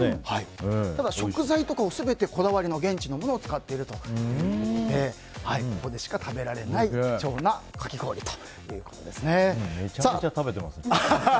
ただ、食材は全てこだわりの現地のものを使っているということでここでしか食べられないめちゃめちゃ食べてますね。